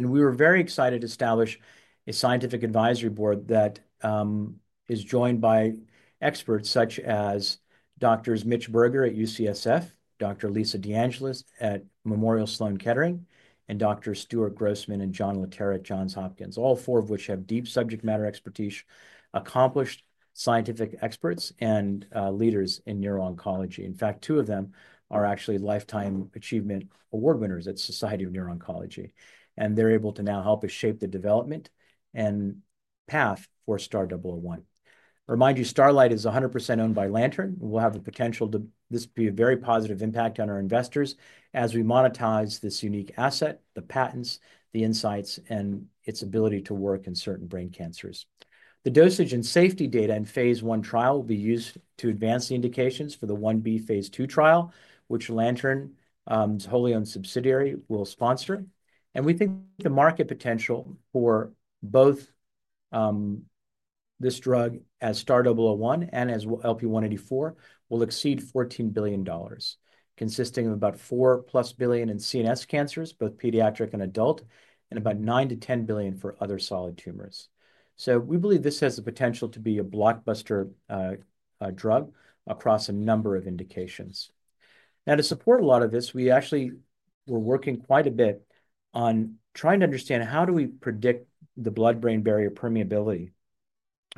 We were very excited to establish a scientific advisory board that is joined by experts such as Doctors Mitchel Berger at UCSF, Doctor Lisa DeAngelis at Memorial Sloan Kettering, and Doctors Stuart Grossman and John Laterra at Johns Hopkins, all four of which have deep subject matter expertise, accomplished scientific experts, and leaders in Neuro-Oncology. In fact, two of them are actually lifetime achievement award winners at the Society for Neuro-Oncology, and they're able to now help us shape the development and path for STAR-001. Remind you, Starlight is 100% owned by Lantern. We'll have the potential for this to be a very positive impact on our investors as we monetize this unique asset, the patents, the insights, and its ability to work in certain brain cancers. The dosage and safety data in Phase I Trial will be used to advance the indications for the 1B Phase II Trial, which Lantern, as a wholly owned subsidiary, will sponsor. We think the market potential for both this drug as STAR-001 and as LP-184 will exceed $14 billion, consisting of about $4 billion plus in CNS cancers, both pediatric and adult, and about $9 billion-$10 billion for other solid tumors. We believe this has the potential to be a blockbuster drug across a number of indications. Now, to support a lot of this, we actually were working quite a bit on trying to understand how do we predict the blood-brain barrier permeability.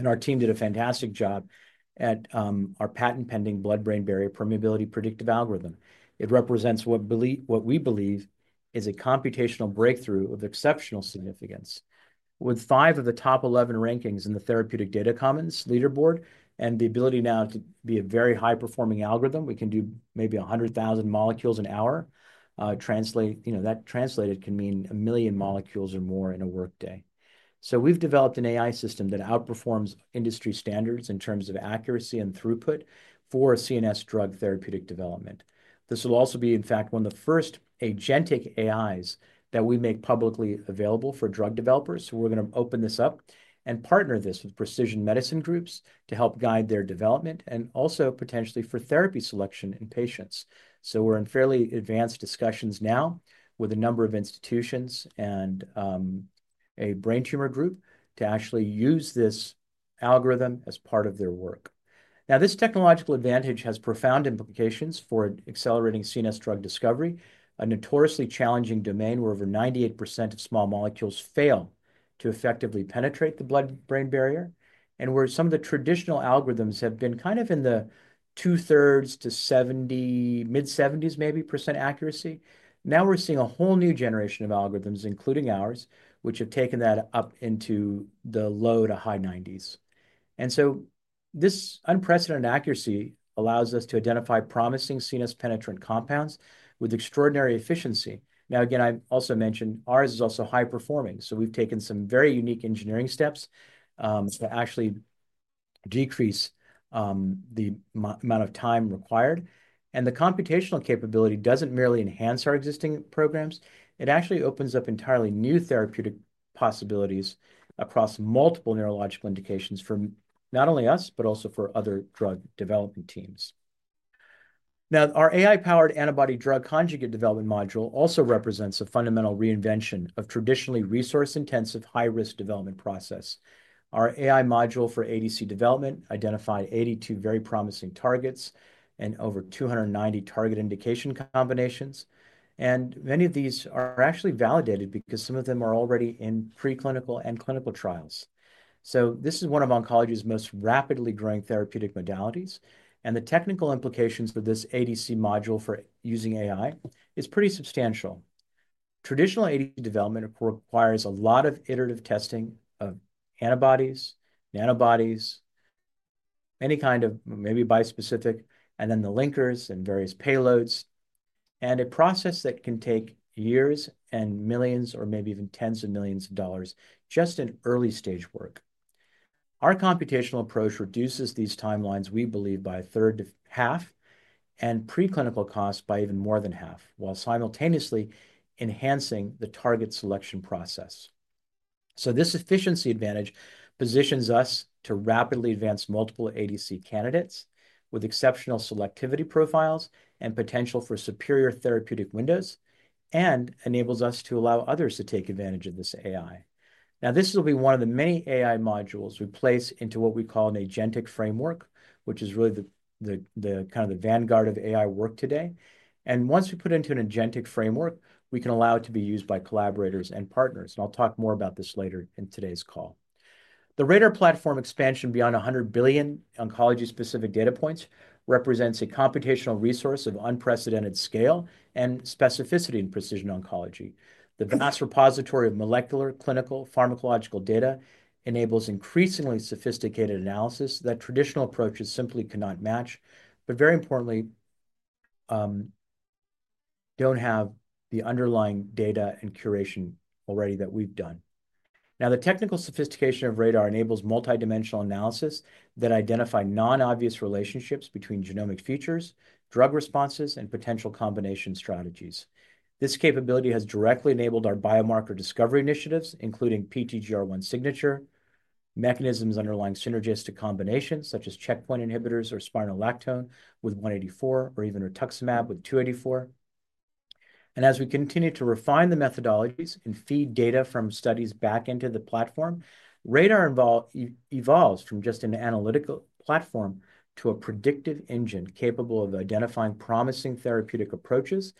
Our team did a fantastic job at our patent pending blood-brain barrier permeability predictive algorithm. It represents what we believe is a computational breakthrough of exceptional significance. With five of the top 11 rankings in the Therapeutic Data Commons Leaderboard and the ability now to be a very high performing algorithm, we can do maybe 100,000 molecules an hour. You know, that translated can mean a million molecules or more in a workday. So we've developed an AI system that outperforms industry standards in terms of accuracy and throughput for CNS drug therapeutic development. This will also be, in fact, one of the first agentic AIs that we make publicly available for drug developers. We're going to open this up and partner this with precision medicine groups to help guide their development and also potentially for therapy selection in patients. We're in fairly advanced discussions now with a number of institutions and a brain tumor group to actually use this algorithm as part of their work. Now, this technological advantage has profound implications for accelerating CNS Drug Discovery, a notoriously challenging domain where over 98% of small molecules fail to effectively penetrate the blood-brain barrier, and where some of the traditional algorithms have been kind of in the two thirds to 70%-75% accuracy. Now we're seeing a whole new generation of algorithms, including ours, which have taken that up into the low to high 90%. This unprecedented accuracy allows us to identify promising CNS penetrant compounds with extraordinary efficiency. I also mentioned ours is also high performing. We have taken some very unique engineering steps to actually decrease the amount of time required. The computational capability does not merely enhance our existing programs. It actually opens up entirely new therapeutic possibilities across multiple neurological indications for not only us, but also for other drug development teams. Now, our AI powered antibody drug conjugate development module also represents a fundamental reinvention of traditionally resource intensive high risk development process. Our AI module for ADC development identified 82 very promising targets and over 290 target indication combinations. Many of these are actually validated because some of them are already in preclinical and clinical trials. This is one of oncology's most rapidly growing therapeutic modalities. The technical implications for this ADC module for using AI is pretty substantial. Traditional ADC development requires a lot of iterative testing of antibodies, nanobodies, any kind of maybe bispecific, and then the linkers and various payloads, and a process that can take years and millions or maybe even tens of millions of dollars just in early stage work. Our computational approach reduces these timelines, we believe, by a third to half, and preclinical costs by even more than half, while simultaneously enhancing the target selection process. This efficiency advantage positions us to rapidly advance multiple ADC candidates with exceptional selectivity profiles and potential for superior therapeutic windows, and enables us to allow others to take advantage of this AI. This will be one of the many AI modules we place into what we call an agentic framework, which is really the kind of the vanguard of AI work today. Once we put it into an agentic framework, we can allow it to be used by collaborators and partners. I'll talk more about this later in today's call. The RADR Platform expansion beyond 100 billion Oncology specific data points represents a computational resource of unprecedented scale and specificity in precision Oncology. The vast repository of molecular, clinical, pharmacological data enables increasingly sophisticated analysis that traditional approaches simply cannot match, but very importantly, do not have the underlying data and curation already that we have done. Now, the technical sophistication of RADR enables multidimensional analysis that identify non-obvious relationships between genomic features, drug responses, and potential combination strategies. This capability has directly enabled our biomarker discovery initiatives, including PTGR1 signature mechanisms, underlying synergistic combinations such as checkpoint inhibitors or spironolactone with 184 or even Rituximab with 284. As we continue to refine the methodologies and feed data from studies back into the platform, RADR evolves from just an analytical platform to a predictive engine capable of identifying promising therapeutic approaches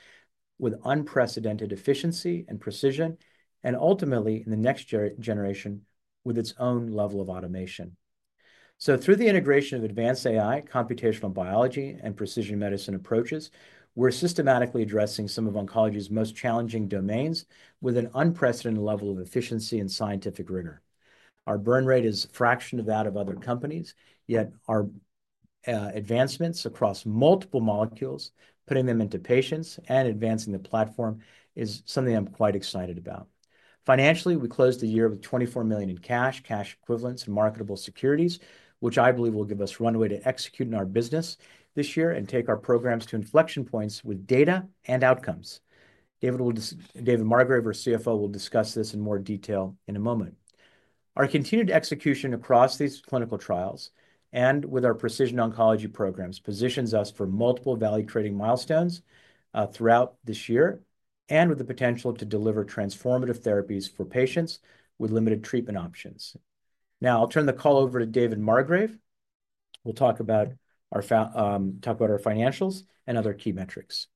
with unprecedented efficiency and precision, and ultimately in the next generation with its own level of automation. Through the integration of advanced AI, computational biology, and precision medicine approaches, we're systematically addressing some of oncology's most challenging domains with an unprecedented level of efficiency and scientific rigor. Our burn rate is a fraction of that of other companies, yet our advancements across multiple molecules, putting them into patients and advancing the platform is something I'm quite excited about. Financially, we closed the year with $24 million in cash, cash equivalents, and marketable securities, which I believe will give us runway to execute in our business this year and take our programs to inflection points with data and outcomes. David Margrave, our CFO, will discuss this in more detail in a moment. Our continued execution across these clinical trials and with our precision oncology programs positions us for multiple value creating milestones throughout this year and with the potential to deliver transformative therapies for patients with limited treatment options. Now I'll turn the call over to David Margrave. We'll talk about our financials and other key metrics.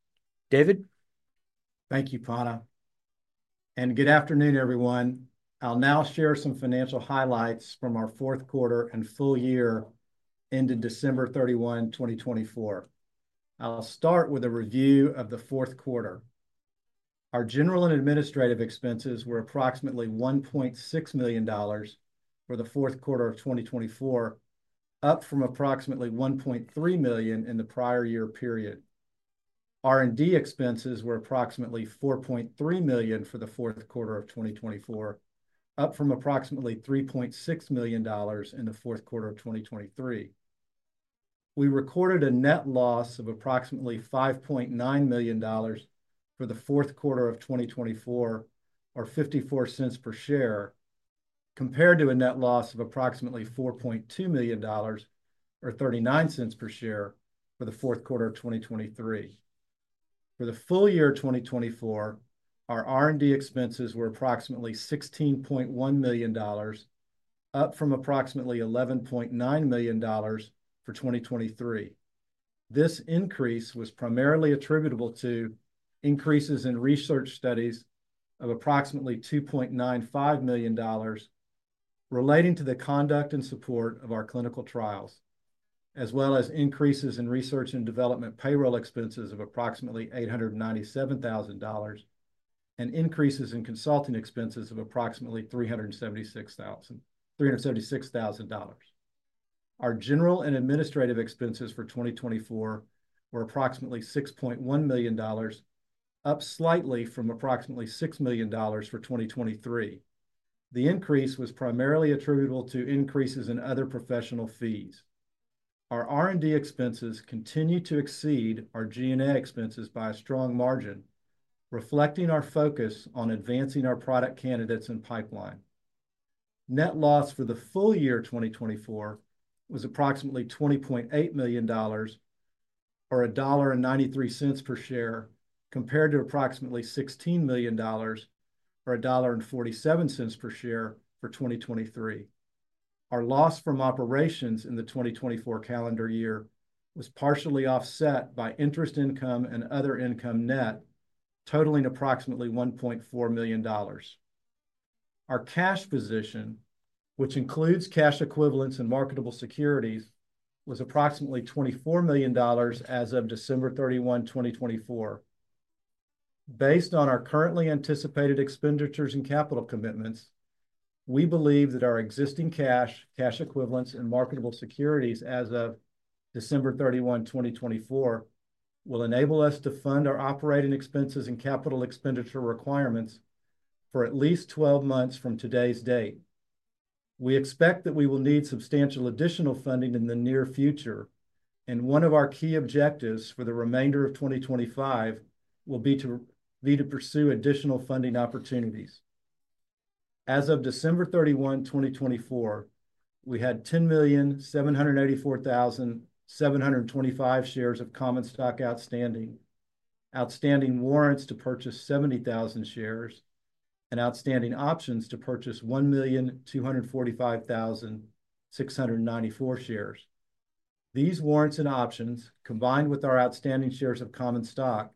David. Thank you, Panna. And good afternoon, everyone. I'll now share some financial highlights from our fourth quarter and full year ended December 31, 2024. I'll start with a review of the fourth quarter. Our general and administrative expenses were approximately $1.6 million for the fourth quarter of 2024, up from approximately $1.3 million in the prior year period. R&D expenses were approximately $4.3 million for the fourth quarter of 2024, up from approximately $3.6 million in the fourth quarter of 2023. We recorded a net loss of approximately $5.9 million for the fourth quarter of 2024, or $0.54 per share, compared to a net loss of approximately $4.2 million, or $0.39 per share for the fourth quarter of 2023. For the full year of 2024, our R&D expenses were approximately $16.1 million, up from approximately $11.9 million for 2023. This increase was primarily attributable to increases in research studies of approximately $2.95 million relating to the conduct and support of our clinical trials, as well as increases in research and development payroll expenses of approximately $897,000 and increases in consulting expenses of approximately $376,000. Our general and administrative expenses for 2024 were approximately $6.1 million, up slightly from approximately $6 million for 2023. The increase was primarily attributable to increases in other professional fees. Our R&D expenses continue to exceed our G&A expenses by a strong margin, reflecting our focus on advancing our product candidates and pipeline. Net loss for the full year 2024 was approximately $20.8 million, or $1.93 per share, compared to approximately $16 million, or $1.47 per share for 2023. Our loss from operations in the 2024 calendar year was partially offset by interest income and other income net, totaling approximately $1.4 million. Our cash position, which includes cash equivalents and marketable securities, was approximately $24 million as of December 31, 2024. Based on our currently anticipated expenditures and capital commitments, we believe that our existing cash, cash equivalents, and marketable securities as of December 31, 2024, will enable us to fund our operating expenses and capital expenditure requirements for at least 12 months from today's date. We expect that we will need substantial additional funding in the near future, and one of our key objectives for the remainder of 2025 will be to pursue additional funding opportunities. As of December 31, 2024, we had 10,784,725 shares of common stock outstanding, outstanding warrants to purchase 70,000 shares, and outstanding options to purchase 1,245,694 shares. These warrants and options, combined with our outstanding shares of common stock,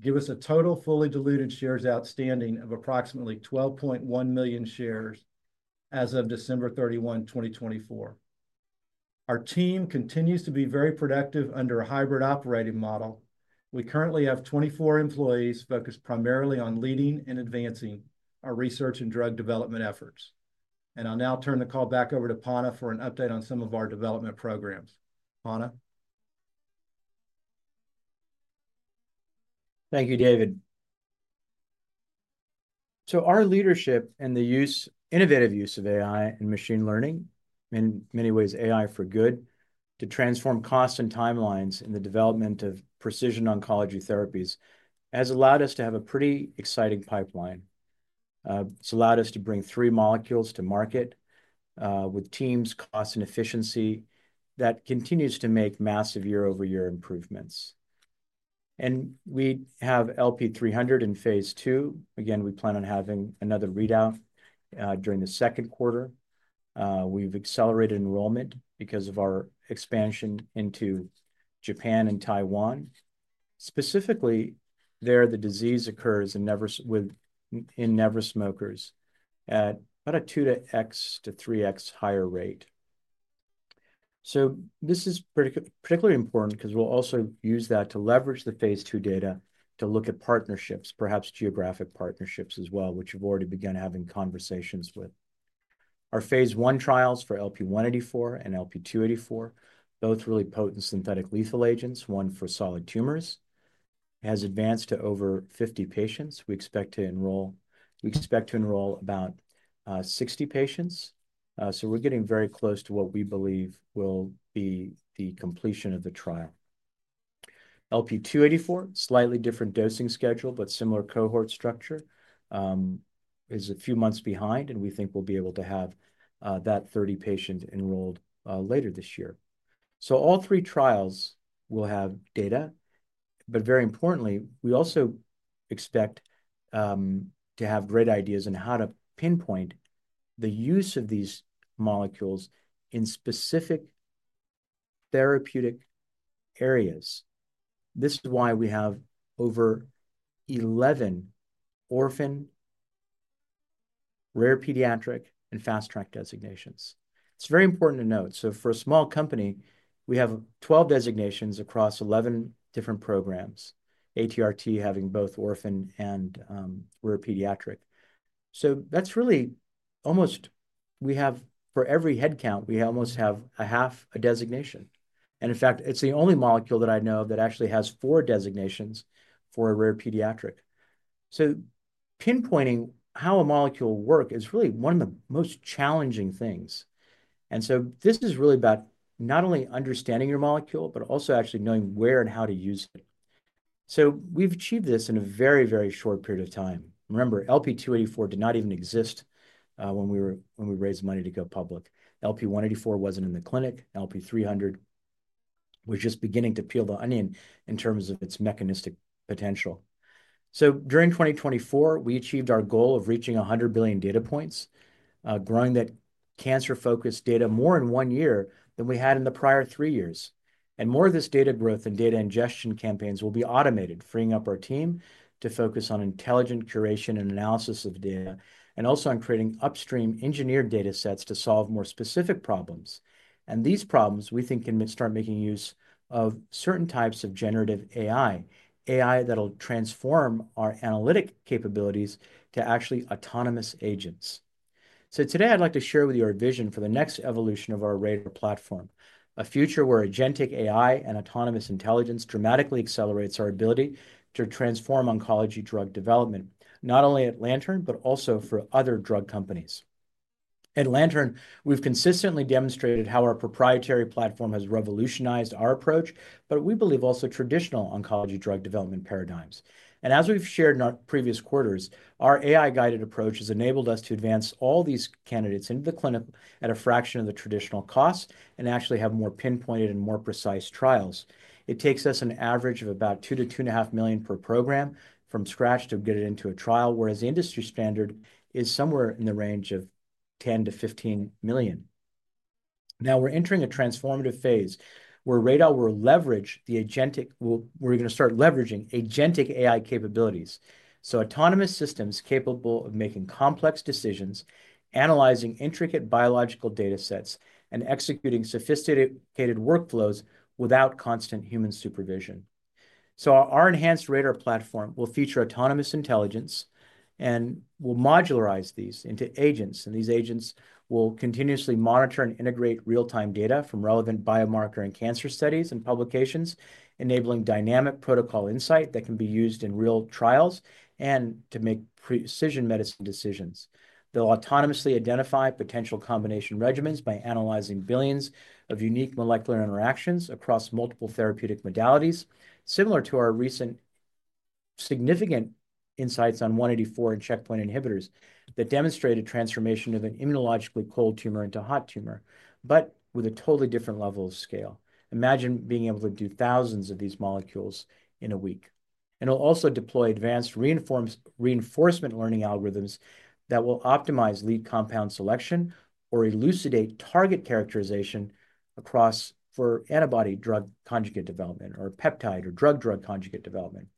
give us a total fully diluted shares outstanding of approximately 12.1 million shares as of December 31, 2024. Our team continues to be very productive under a hybrid operating model. We currently have 24 employees focused primarily on leading and advancing our research and drug development efforts. I will now turn the call back over to Panna for an update on some of our development programs. Panna. Thank you, David. Our leadership and the innovative use of AI and machine learning, in many ways AI for good, to transform costs and timelines in the development of precision oncology therapies has allowed us to have a pretty exciting pipeline. It's allowed us to bring three molecules to market, with teams, costs, and efficiency that continues to make massive year over year improvements. We have LP-300 in Phase II. We plan on having another readout during the second quarter. We've accelerated enrollment because of our expansion into Japan and Taiwan. Specifically there, the disease occurs in never smokers at about a 2X to 3X higher rate. This is particularly important because we'll also use that to leverage the Phase II data to look at partnerships, perhaps geographic partnerships as well, which we've already begun having conversations with. Our Phase I trials for LP-184 and LP-284, both really potent synthetic lethal agents, one for solid tumors, has advanced to over 50 patients. We expect to enroll about 60 patients. We're getting very close to what we believe will be the completion of the trial. LP-284, slightly different dosing schedule, but similar cohort structure, is a few months behind, and we think we'll be able to have that 30 patients enrolled later this year. All three trials will have data, but very importantly, we also expect to have great ideas on how to pinpoint the use of these molecules in specific therapeutic areas. This is why we have over 11 orphan, rare pediatric, and fast track designations. It's very important to note. For a small company, we have 12 designations across 11 different programs, ATRT having both orphan and rare pediatric. That's really almost, we have for every headcount, we almost have a half a designation. In fact, it's the only molecule that I know that actually has four designations for a rare pediatric. Pinpointing how a molecule will work is really one of the most challenging things. This is really about not only understanding your molecule, but also actually knowing where and how to use it. We've achieved this in a very, very short period of time. Remember, LP-284 did not even exist when we raised money to go public. LP-184 wasn't in the clinic. LP-300 was just beginning to peel the onion in terms of its mechanistic potential. During 2024, we achieved our goal of reaching 100 billion data points, growing that cancer focused data more in one year than we had in the prior three years. More of this data growth and data ingestion campaigns will be automated, freeing up our team to focus on intelligent curation and analysis of data, and also on creating upstream engineered data sets to solve more specific problems. These problems, we think, can start making use of certain types of generative AI, AI that'll transform our analytic capabilities to actually autonomous agents. Today, I'd like to share with you our vision for the next evolution of our RADR Platform, a future where agentic AI and autonomous intelligence dramatically accelerates our ability to transform oncology drug development, not only at Lantern, but also for other drug companies. At Lantern, we've consistently demonstrated how our proprietary platform has revolutionized our approach, but we believe also traditional Oncology Drug Development Paradigms. As we've shared in our previous quarters, our AI-guided approach has enabled us to advance all these candidates into the clinic at a fraction of the traditional costs and actually have more pinpointed and more precise trials. It takes us an average of about $2 million -$2.5 million per program from scratch to get it into a trial, whereas the industry standard is somewhere in the range of $10 million-$15 million. Now we're entering a transformative phase where RADR will leverage the agentic, we're going to start leveraging agentic AI capabilities. Autonomous systems capable of making complex decisions, analyzing intricate biological data sets, and executing sophisticated workflows without constant human supervision. Our enhanced RADR Platform will feature autonomous intelligence and will modularize these into agents. These agents will continuously monitor and integrate real-time data from relevant biomarker and cancer studies and publications, enabling dynamic protocol insight that can be used in real trials and to make precision medicine decisions. They'll autonomously identify potential combination regimens by analyzing billions of unique molecular interactions across multiple therapeutic modalities, similar to our recent significant insights on 184 and checkpoint inhibitors that demonstrate a transformation of an immunologically cold tumor into a hot tumor, but with a totally different level of scale. Imagine being able to do thousands of these molecules in a week. It will also deploy advanced reinforcement learning algorithms that will optimize lead compound selection or elucidate target characterization across for antibody drug conjugate development or peptide or drug-drug conjugate development.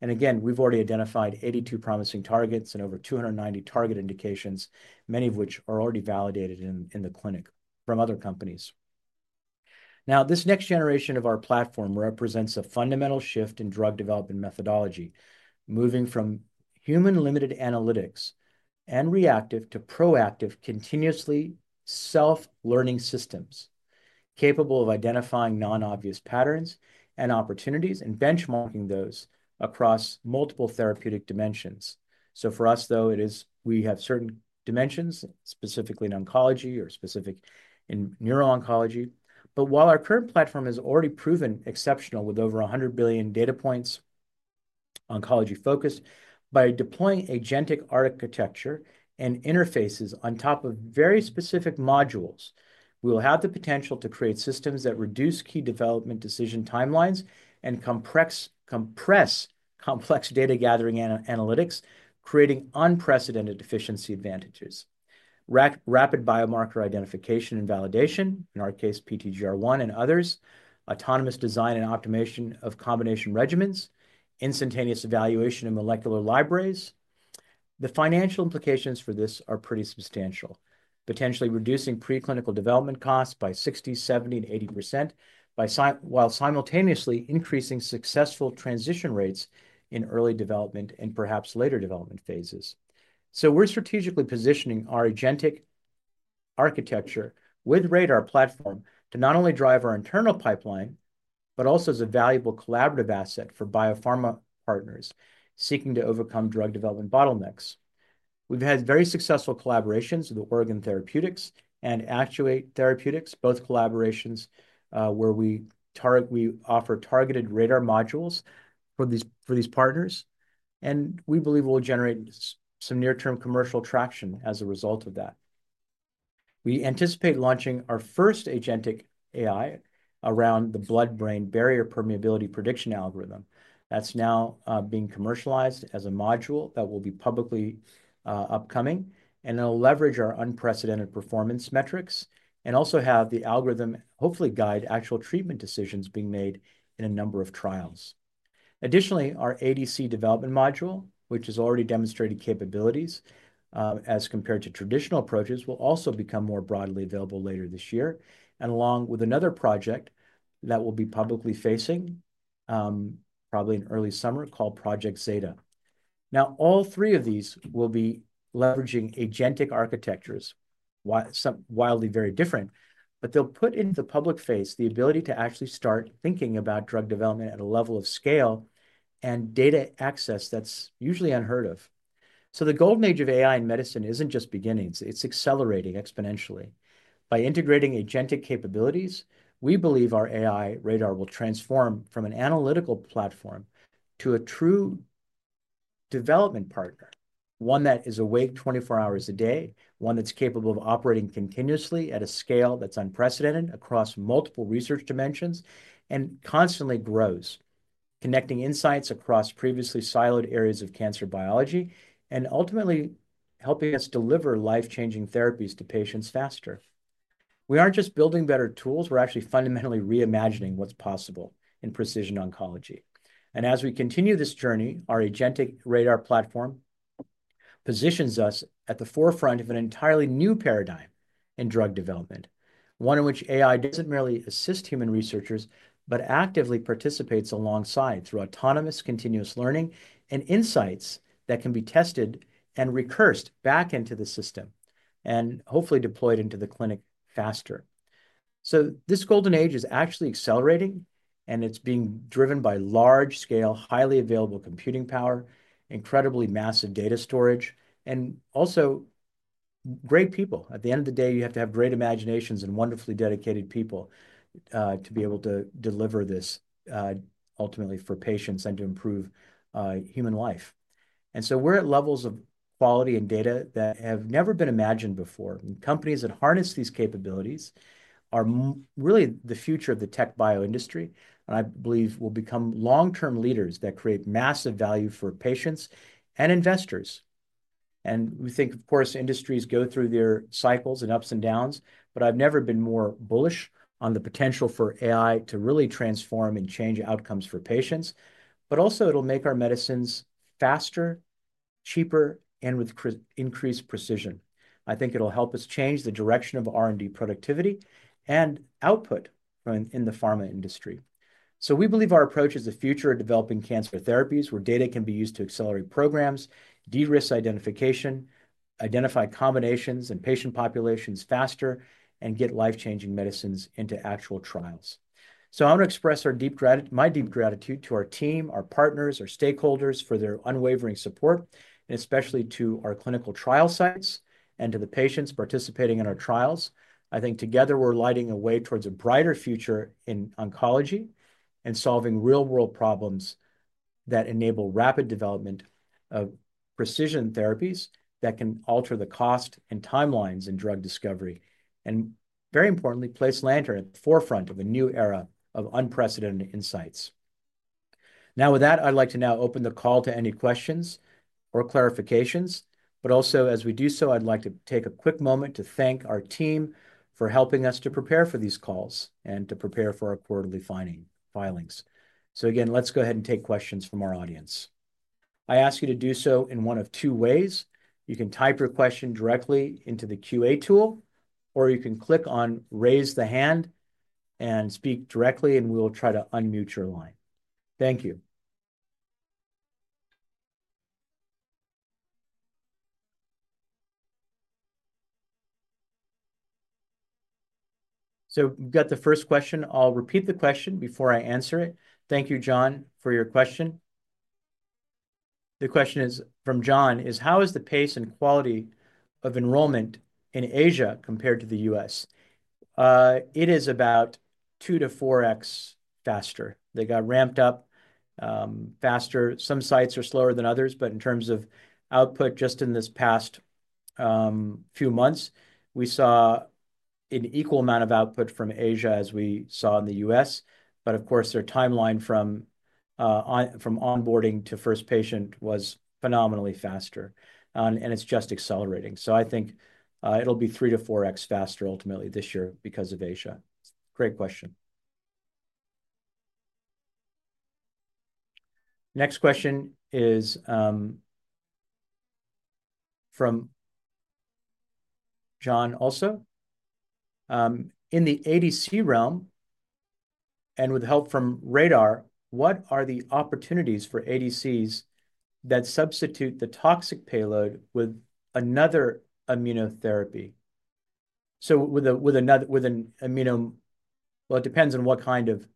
Again, we've already identified 82 promising targets and over 290 target indications, many of which are already validated in the clinic from other companies. Now, this next generation of our platform represents a fundamental shift in drug development methodology, moving from human-limited analytics and reactive to proactive continuously self-learning systems capable of identifying non-obvious patterns and opportunities and benchmarking those across multiple therapeutic dimensions. For us, though, it is we have certain dimensions, specifically in oncology or specific in Neuro-Oncology. While our current platform is already proven exceptional with over 100 billion data points oncology-focused, by deploying agentic architecture and interfaces on top of very specific modules, we will have the potential to create systems that reduce key development decision timelines and compress complex data gathering and analytics, creating unprecedented efficiency advantages. Rapid biomarker identification and validation, in our case, PTGR1 and others, autonomous design and optimization of combination regimens, instantaneous evaluation and molecular libraries. The financial implications for this are pretty substantial, potentially reducing preclinical development costs by 60%, 70%, and 80%, while simultaneously increasing successful transition rates in early development and perhaps later development phases. We are strategically positioning our agentic architecture with RADR Platform to not only drive our internal pipeline, but also as a valuable collaborative asset for biopharma partners seeking to overcome drug development bottlenecks. We've had very successful collaborations with Oregon Therapeutics and Actuate Therapeutics, both collaborations where we offer targeted RADR modules for these partners. We believe we'll generate some near-term commercial traction as a result of that. We anticipate launching our first agentic AI around the blood-brain barrier permeability prediction algorithm. That's now being commercialized as a module that will be publicly upcoming, and it'll leverage our unprecedented performance metrics and also have the algorithm hopefully guide actual treatment decisions being made in a number of trials. Additionally, our ADC development module, which has already demonstrated capabilities as compared to traditional approaches, will also become more broadly available later this year, along with another project that will be publicly facing, probably in early summer, called Project Zeta. Now, all three of these will be leveraging agentic architectures, why some wildly very different, but they'll put into the public face the ability to actually start thinking about drug development at a level of scale and data access that's usually unheard of. The golden age of AI in medicine isn't just beginnings. It's accelerating exponentially. By integrating agentic capabilities, we believe our AI RADR will transform from an analytical platform to a true development partner, one that is awake 24 hours a day, one that's capable of operating continuously at a scale that's unprecedented across multiple research dimensions and constantly grows, connecting insights across previously siloed areas of cancer biology and ultimately helping us deliver life-changing therapies to patients faster. We aren't just building better tools. We're actually fundamentally reimagining what's possible in precision oncology. As we continue this journey, our agentic RADR Platform positions us at the forefront of an entirely new paradigm in drug development, one in which AI doesn't merely assist human researchers, but actively participates alongside through autonomous continuous learning and insights that can be tested and recursed back into the system and hopefully deployed into the clinic faster. This golden age is actually accelerating, and it's being driven by large-scale, highly available computing power, incredibly massive data storage, and also great people. At the end of the day, you have to have great imaginations and wonderfully dedicated people, to be able to deliver this, ultimately for patients and to improve human life. We're at levels of quality and data that have never been imagined before. Companies that harness these capabilities are really the future of the tech bio industry, and I believe will become long-term leaders that create massive value for patients and investors. We think, of course, industries go through their cycles and ups and downs, but I've never been more bullish on the potential for AI to really transform and change outcomes for patients. Also, it'll make our medicines faster, cheaper, and with increased precision. I think it'll help us change the direction of R&D productivity and output in the pharma industry. We believe our approach is the future of developing cancer therapies where data can be used to accelerate programs, de-risk identification, identify combinations and patient populations faster, and get life-changing medicines into actual trials. I want to express our deep, my deep gratitude to our team, our partners, our stakeholders for their unwavering support, and especially to our clinical trial sites and to the patients participating in our trials. I think together we're lighting a way towards a brighter future in Oncology and solving real-world problems that enable rapid development of precision therapies that can alter the cost and timelines in drug discovery, and very importantly, place Lantern at the forefront of a new era of unprecedented insights. Now, with that, I'd like to now open the call to any questions or clarifications, but also, as we do so, I'd like to take a quick moment to thank our team for helping us to prepare for these calls and to prepare for our quarterly filings. Again, let's go ahead and take questions from our audience. I ask you to do so in one of two ways. You can type your question directly into the QA tool, or you can click on "Raise the Hand" and speak directly, and we'll try to unmute your line. Thank you. We've got the first question. I'll repeat the question before I answer it. Thank you, John, for your question. The question is from John, "How is the pace and quality of enrollment in Asia compared to the U.S.?" It is about 2-4x faster. They got ramped up, faster. Some sites are slower than others, but in terms of output, just in this past few months, we saw an equal amount of output from Asia as we saw in the U.S. Of course, their timeline from onboarding to first patient was phenomenally faster, and it's just accelerating. I think it'll be 3-4x faster ultimately this year because of Asia. Great question. Next question is from John also. In the ADC REALM, and with help from RADR, what are the opportunities for ADCs that substitute the toxic payload with another immunotherapy? With another, with an immuno, it depends on what kind of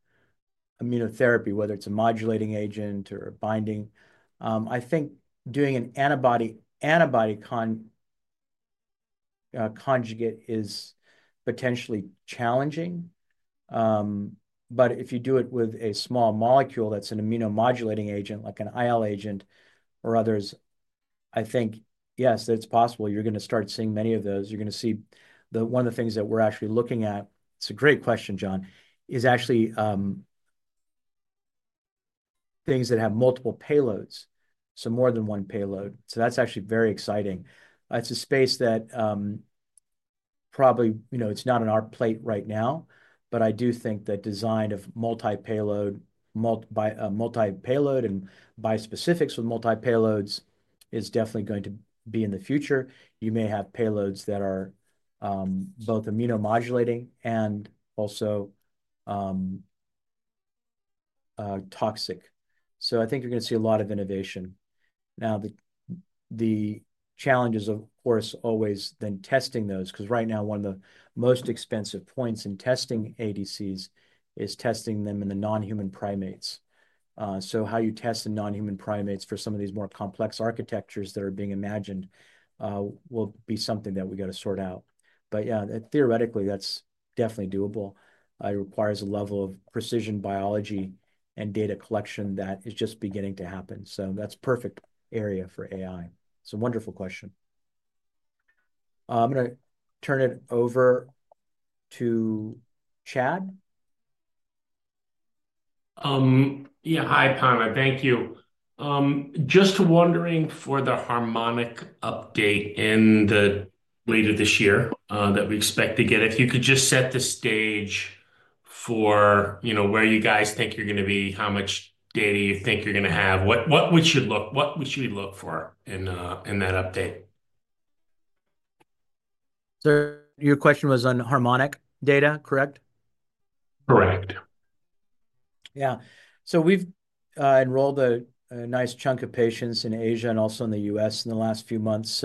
immunotherapy, whether it's a modulating agent or a binding. I think doing an antibody conjugate is potentially challenging. If you do it with a small molecule that's an immunomodulating agent, like an IL agent or others, I think, yes, that it's possible. You're going to start seeing many of those. You're going to see the, one of the things that we're actually looking at, it's a great question, John, is actually things that have multiple payloads, so more than one payload. That's actually very exciting. It's a space that, probably, you know, it's not on our plate right now, but I do think that design of multi-payload, multi-payload and bispecifics with multi-payloads is definitely going to be in the future. You may have payloads that are both immunomodulating and also toxic. I think you're going to see a lot of innovation. Now, the challenge is, of course, always then testing those, because right now, one of the most expensive points in testing ADCs is testing them in the non-human primates. How you test the non-human primates for some of these more complex architectures that are being imagined will be something that we got to sort out. Yeah, theoretically, that's definitely doable. It requires a level of precision biology and data collection that is just beginning to happen. That's a perfect area for AI. It's a wonderful question. I'm going to turn it over to Chad. Yeah. Hi, Panna. Thank you. Just wondering for the harmonic update in the later this year, that we expect to get, if you could just set the stage for, you know, where you guys think you're going to be, how much data you think you're going to have, what, what would you look, what would you look for in, in that update? Sir, your question was on harmonic data, correct? Correct. Yeah. We've enrolled a nice chunk of patients in Asia and also in the U.S. in the last few months.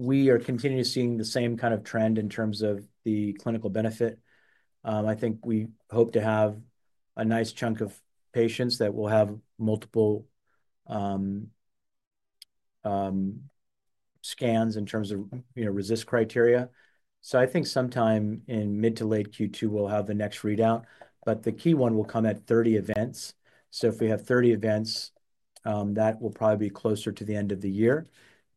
We are continuing to see the same kind of trend in terms of the clinical benefit. I think we hope to have a nice chunk of patients that will have multiple scans in terms of, you know, RECIST criteria. I think sometime in mid to late Q2, we'll have the next readout, but the key one will come at 30 events. If we have 30 events, that will probably be closer to the end of the year,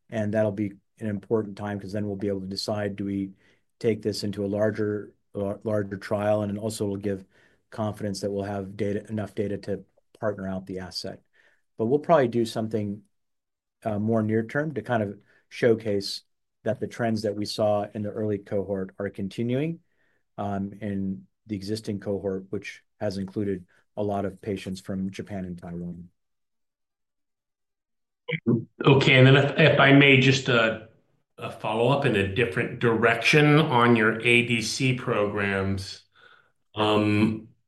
and that'll be an important time because then we'll be able to decide, do we take this into a larger, larger trial? It will also give confidence that we'll have data, enough data to partner out the asset. We'll probably do something more near-term to kind of showcase that the trends that we saw in the early cohort are continuing in the existing cohort, which has included a lot of patients from Japan and Taiwan. Okay. If I may, just a follow-up in a different direction on your ADC programs,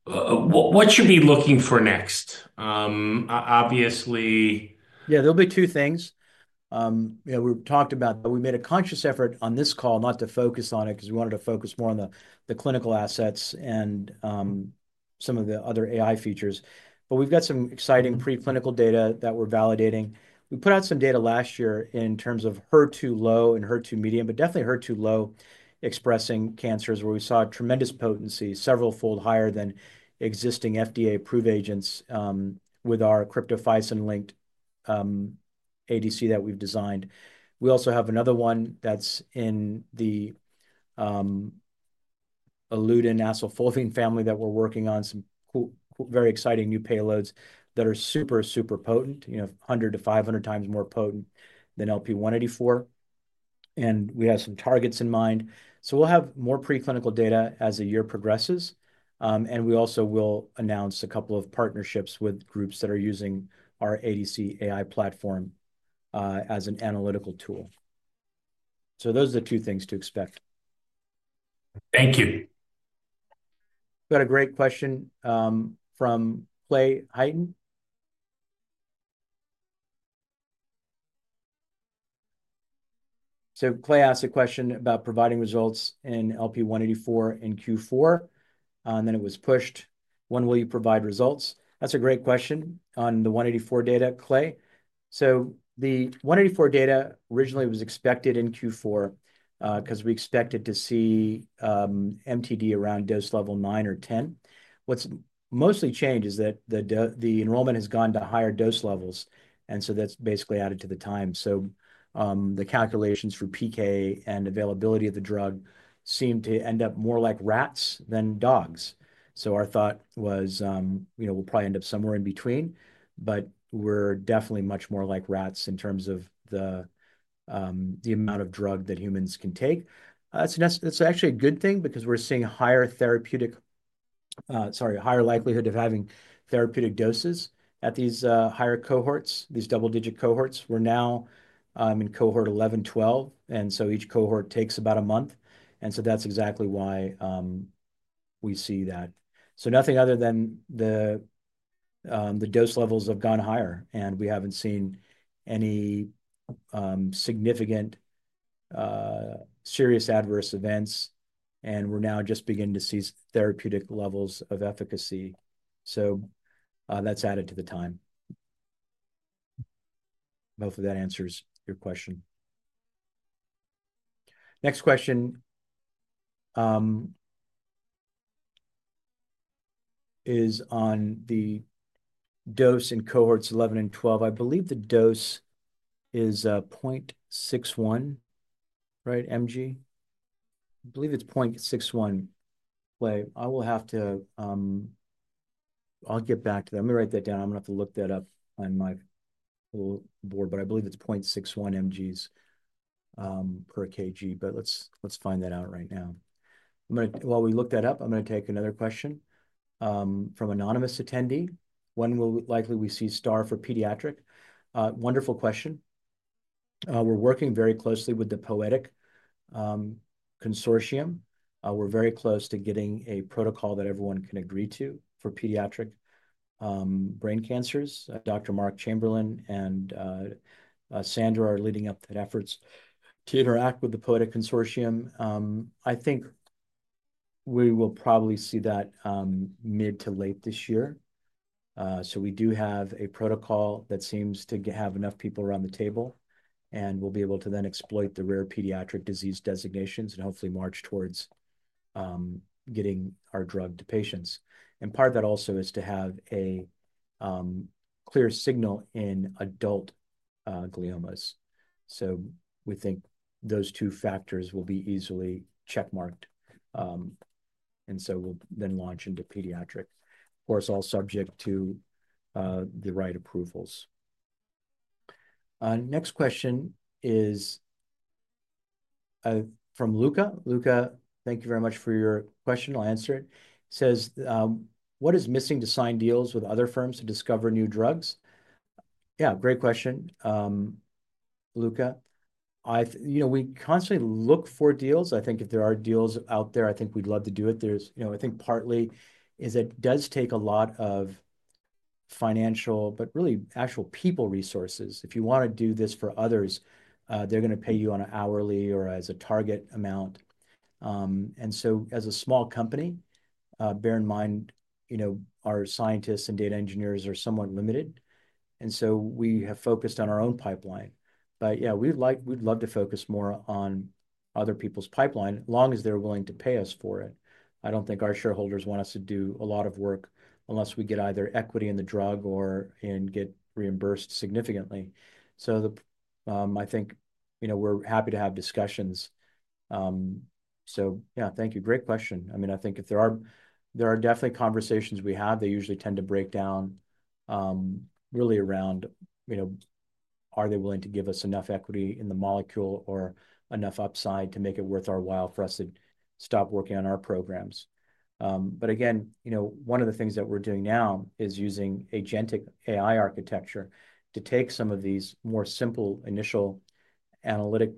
what should we be looking for next? Obviously, there'll be two things. You know, we've talked about that. We made a conscious effort on this call not to focus on it because we wanted to focus more on the clinical assets and some of the other AI features. We have got some exciting preclinical data that we are validating. We put out some data last year in terms of HER2-low and HER2-medium, but definitely HER2-low expressing cancers where we saw tremendous potency, several fold higher than existing FDA-approved agents, with our cryptophycin-linked ADC that we have designed. We also have another one that is in the Illudin and Acylfulvene family that we are working on, some very exciting new payloads that are super, super potent, you know, 100-500 times more potent than LP-184. We have some targets in mind. We will have more preclinical data as the year progresses. We also will announce a couple of partnerships with groups that are using our ADC AI platform as an analytical tool. Those are the two things to expect. Thank you. We've got a great question from Clay Heighten. Clay asked a question about providing results in LP-184 in Q4, and then it was pushed. When will you provide results? That's a great question on the 184 data, Clay. The 184 data originally was expected in Q4, because we expected to see MTD around dose level 9 or 10. What's mostly changed is that the enrollment has gone to higher dose levels, and that's basically added to the time. The calculations for PK and availability of the drug seem to end up more like rats than dogs. Our thought was, you know, we'll probably end up somewhere in between, but we're definitely much more like rats in terms of the amount of drug that humans can take. That's actually a good thing because we're seeing higher therapeutic, sorry, higher likelihood of having therapeutic doses at these higher cohorts, these double-digit cohorts. We're now in cohort 11-12, and so each cohort takes about a month. That's exactly why we see that. Nothing other than the dose levels have gone higher, and we haven't seen any significant, serious adverse events, and we're now just beginning to see therapeutic levels of efficacy. That's added to the time. Hopefully that answers your question. Next question is on the dose in cohorts 11 and 12. I believe the dose is 0.61, right? mg? I believe it's 0.61. Clay, I will have to, I'll get back to that. Let me write that down. I'm going to have to look that up on my little board, but I believe it's 0.61 mg per kg, but let's find that out right now. I'm going to, while we look that up, I'm going to take another question, from anonymous attendee. When will we likely see STAR for pediatric? Wonderful question. We're working very closely with the POETIC Consortium. We're very close to getting a protocol that everyone can agree to for pediatric brain cancers. Dr. Marc Chamberlain and Sandra are leading up that efforts to interact with the POETIC Consortium. I think we will probably see that mid to late this year. We do have a protocol that seems to have enough people around the table, and we will be able to then exploit the rare pediatric disease designations and hopefully march towards getting our drug to patients. Part of that also is to have a clear signal in adult gliomas. We think those two factors will be easily checkmarked, and we will then launch into pediatric, of course, all subject to the right approvals. Next question is from Luca. Luca, thank you very much for your question. I will answer it. Says, what is missing to sign deals with other firms to discover new drugs? Yeah, great question. Luca, I, you know, we constantly look for deals. I think if there are deals out there, I think we would love to do it. There's, you know, I think partly is it does take a lot of financial, but really actual people resources. If you want to do this for others, they're going to pay you on an hourly or as a target amount. As a small company, bear in mind, you know, our scientists and data engineers are somewhat limited. And so we have focused on our own pipeline. But yeah, we'd like, we'd love to focus more on other people's pipeline as long as they're willing to pay us for it. I don't think our shareholders want us to do a lot of work unless we get either equity in the drug or get reimbursed significantly. I think, you know, we're happy to have discussions. So yeah, thank you. Great question. I mean, I think if there are, there are definitely conversations we have, they usually tend to break down, really around, you know, are they willing to give us enough equity in the molecule or enough upside to make it worth our while for us to stop working on our programs? One of the things that we're doing now is using agentic AI architecture to take some of these more simple initial analytic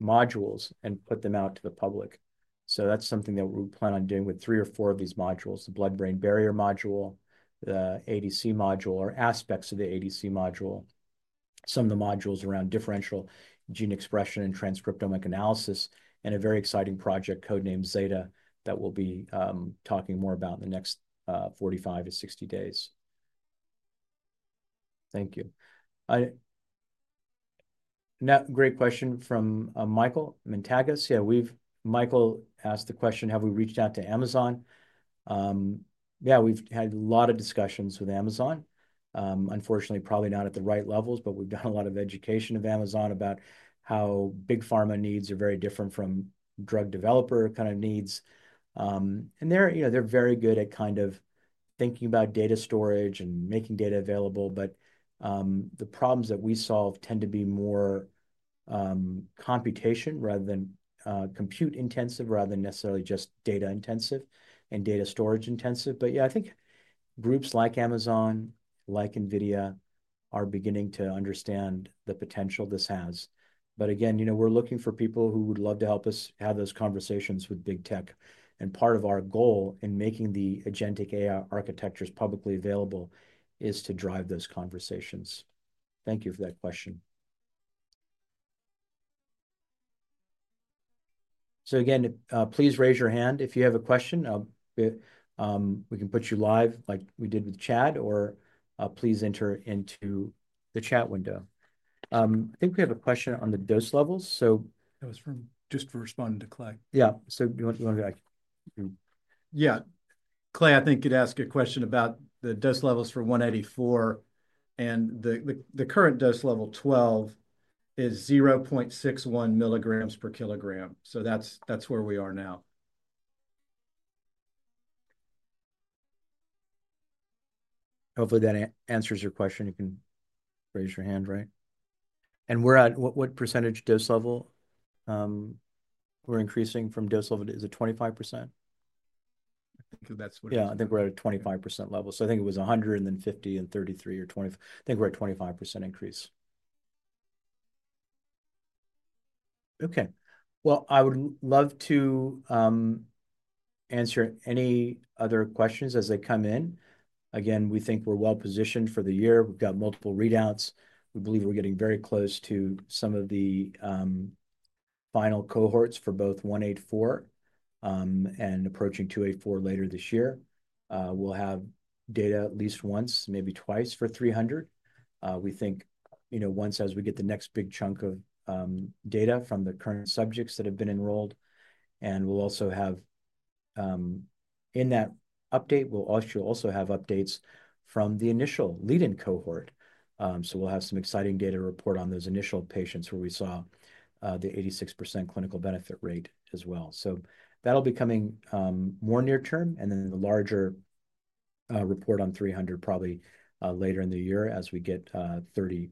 modules and put them out to the public. That is something that we plan on doing with three or four of these modules, the blood-brain barrier module, the ADC module, or aspects of the ADC module, some of the modules around differential gene expression and transcriptomic analysis, and a very exciting project codenamed Zeta that we'll be talking more about in the next 45-60 days. Thank you. Now, great question from Michael Montagas. Yeah, we've, Michael asked the question, have we reached out to Amazon? Yeah, we've had a lot of discussions with Amazon. Unfortunately, probably not at the right levels, but we've done a lot of education of Amazon about how big pharma needs are very different from drug developer kind of needs. And they're, you know, they're very good at kind of thinking about data storage and making data available, but the problems that we solve tend to be more computation rather than, compute intensive rather than necessarily just data intensive and data storage intensive. Yeah, I think groups like Amazon, like NVIDIA, are beginning to understand the potential this has. Again, you know, we're looking for people who would love to help us have those conversations with Big Tech. Part of our goal in making the agentic AI architectures publicly available is to drive those conversations. Thank you for that question. Please raise your hand if you have a question. We can put you live like we did with Chad, or please enter into the chat window. I think we have a question on the dose levels. That was just for responding to Clay. Yeah. Do you want to go back? Yeah. Clay, I think you'd ask a question about the dose levels for 184 and the current dose level 12 is 0.61 mg per kg. That's where we are now. Hopefully that answers your question. You can raise your hand, right? And we're at what percentage dose level, we're increasing from dose level? Is it 25%? I think that's what it is. Yeah, I think we're at a 25% level. I think it was 150 and 33 or 25. I think we're at 25% increase. Okay. I would love to answer any other questions as they come in. Again, we think we're well positioned for the year. We've got multiple readouts. We believe we're getting very close to some of the final cohorts for both 184, and approaching 284 later this year. We'll have data at least once, maybe twice for 300. We think, you know, once as we get the next big chunk of data from the current subjects that have been enrolled. We'll also have, in that update, updates from the initial lead-in cohort. We'll have some exciting data to report on those initial patients where we saw the 86% clinical benefit rate as well. That'll be coming, more near-term and then the larger report on 300 probably later in the year as we get 30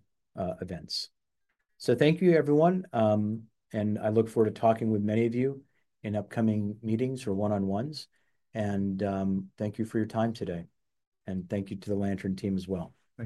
events. Thank you, everyone. I look forward to talking with many of you in upcoming meetings or one-on-ones. Thank you for your time today. Thank you to the Lantern team as well.